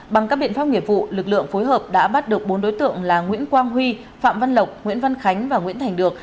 bằng các biện pháp nghiệp vụ lực lượng phối hợp đã bắt được bốn đối tượng là nguyễn quang huy phạm văn lộc nguyễn văn khánh và nguyễn thành được